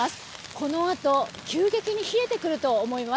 このあと急激に冷えてくると思います。